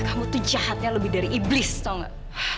kamu tuh jahatnya lebih dari iblis tau gak